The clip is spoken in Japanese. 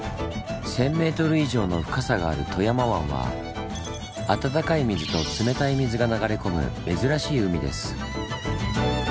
１，０００ｍ以上の深さがある富山湾は暖かい水と冷たい水が流れ込む珍しい海です。